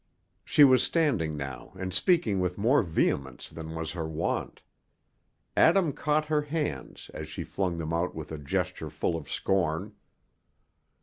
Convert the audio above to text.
She was standing now and speaking with more vehemence than was her wont. Adam caught her hands, as she flung them out with a gesture full of scorn.